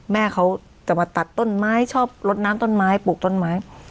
แม่เขาจะมาตัดต้นไม้ชอบลดน้ำต้นไม้ปลูกต้นไม้